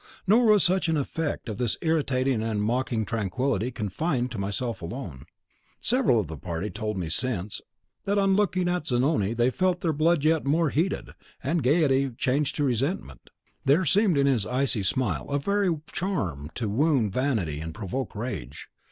Nor was such an effect of this irritating and mocking tranquillity confined to myself alone. Several of the party have told me since, that on looking at Zanoni they felt their blood yet more heated, and gayety change to resentment. There seemed in his icy smile a very charm to wound vanity and provoke rage.